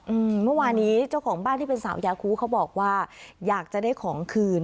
อืมเมื่อวานี้เจ้าของบ้านที่เป็นสาวยาคูเขาบอกว่าอยากจะได้ของคืน